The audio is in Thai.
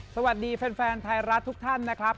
สวัสดีแฟนไทยรัฐทุกท่านนะครับ